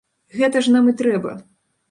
Гэта ж нам і трэба!